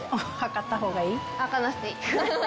はからなくていい。